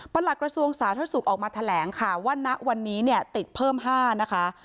บรรลักษณ์กระทรวงสาธารณสุขออกมาแถลงว่าณวันนี้ติดเพิ่ม๕นะคะ